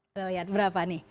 lihat berapa nih